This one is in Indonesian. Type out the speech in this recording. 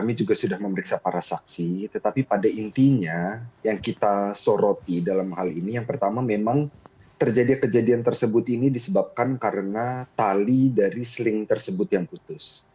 kami juga sudah memeriksa para saksi tetapi pada intinya yang kita soroti dalam hal ini yang pertama memang terjadi kejadian tersebut ini disebabkan karena tali dari seling tersebut yang putus